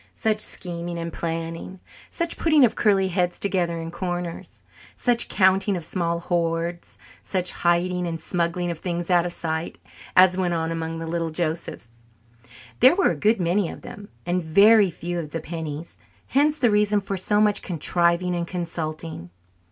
Such scheming and planning, such putting of curly heads together in corners, such counting of small hoards, such hiding and smuggling of things out of sight, as went on among the little Josephs! There were a good many of them, and very few of the pennies; hence the reason for so much contriving and consulting.